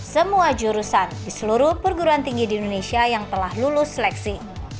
semua jurusan di seluruh perguruan tinggi di indonesia yang telah lulus seleksi